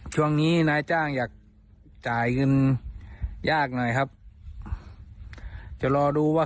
ช่วงนี้นายจ้างอยากจ่ายเงินยากหน่อยครับจะรอดูว่า